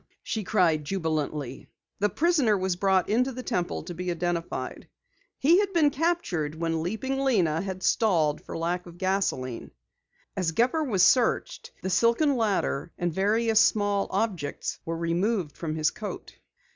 she cried jubilantly. The prisoner was brought into the Temple to be identified. He had been captured when Leaping Lena had stalled for lack of gasoline. As Gepper was searched, the silken ladder, and various small objects were removed from his coat.